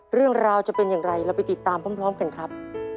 เรื่องราวจะเป็นอย่างไรเราไปติดตามพร้อมกันครับ